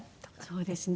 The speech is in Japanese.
そうですね。